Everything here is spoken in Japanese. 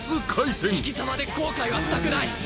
生き様で後悔はしたくない。